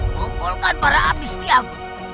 kumpulkan para abis tiago